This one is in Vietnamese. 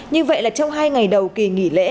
như vậy là trong hai ngày đầu kỳ nghỉ lễ